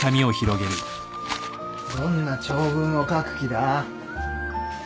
どんな長文を書く気だ？